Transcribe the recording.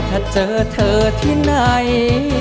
ถ้าเจอเธอที่ไหน